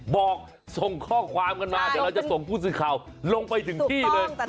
บอกส่งข้อความกันมาเดี๋ยวเราจะส่งผู้สื่อข่าวลงไปถึงที่เลย